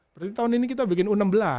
berarti tahun ini kita bikin u enam belas